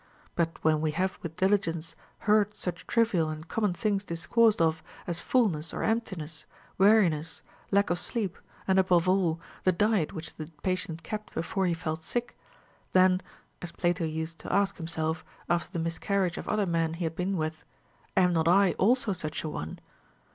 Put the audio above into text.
But when we have with diligence heard such trivial and common things discoursed of as fulness or emptiness, weariness, lack of sleep, and (above all) the diet which the patient kept before he fell sick, then, — as Plato used to ask himself, after the miscarriage of other men he had been with, Am not 1 also such a one